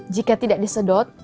jika tidak disedot